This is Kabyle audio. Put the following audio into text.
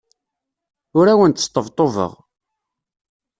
Ur awent-sṭebṭubeɣ.